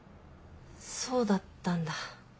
そうだったんだ。